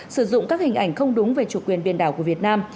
sử dụng các hình ảnh không đúng về chủ quyền biển đảo của việt nam